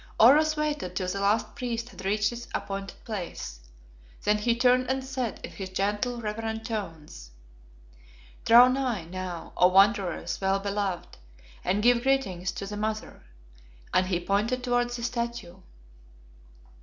Oros waited till the last priest had reached his appointed place. Then he turned and said, in his gentle, reverent tones "Draw nigh, now, O Wanderers well beloved, and give greeting to the Mother," and he pointed towards the statue.